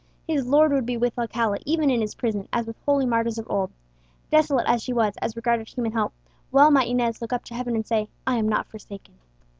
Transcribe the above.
His Lord would be with Alcala, even in his prison, as with holy martyrs of old. Desolate as she was, as regarded human help, well might Inez look up to heaven and say, "I am not forsaken."